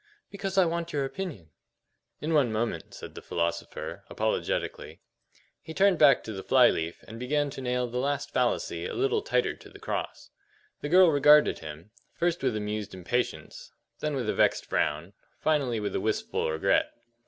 "Because I want your opinion." "In one moment," said the philosopher, apologetically. He turned back to the fly leaf and began to nail the last fallacy a little tighter to the cross. The girl regarded him, first with amused impatience, then with a vexed frown, finally with a wistful regret.